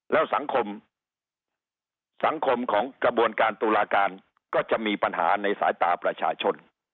แล้วสังคมสังคมของกระบวนการตุลาการก็จะมีปัญหาในสายตาประชาชน